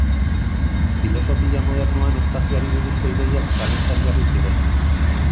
Filosofia modernoan espazioari buruzko ideiak zalantzan jarri ziren.